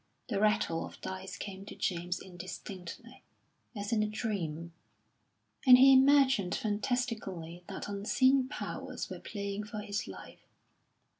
The rattle of dice came to James indistinctly, as in a dream, and he imagined fantastically that unseen powers were playing for his life.